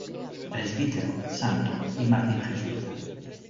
Presbítero, santo y mártir jesuita.